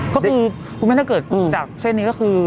ก็คือคุณแม่ถ้าเกิดจากเส้นนี้ก็คือ